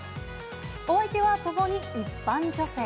お相手はともに一般女性。